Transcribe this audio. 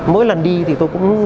mỗi lần đi thì tôi cũng